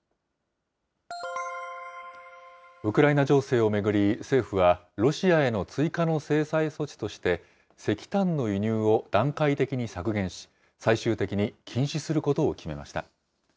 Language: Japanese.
ウクライナ情勢を巡り政府は、ロシアへの追加の制裁措置として、石炭の輸入を段階的に削減し、最終的に禁止することを決めました。